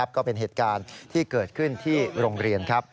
ก็เป็นเหตุการณ์ที่เกิดขึ้นที่โรงเรียน